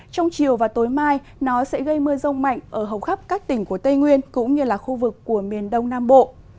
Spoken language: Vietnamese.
trong chiều và tối mai nó sẽ gây mưa rông mạnh ở hầu khắp các tỉnh của tây nguyên cũng như là khu vực của miền đông nam bộ